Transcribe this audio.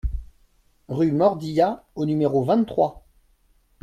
Rue Mordillat au numéro vingt-trois